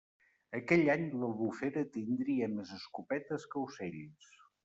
Aquell any l'Albufera tindria més escopetes que ocells.